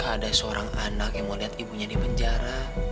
ada seorang anak yang mau lihat ibunya di penjara